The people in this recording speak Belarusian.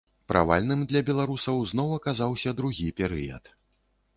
Правальным для беларусаў зноў аказаўся другі перыяд.